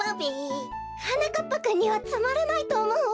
はなかっぱくんにはつまらないとおもうわ。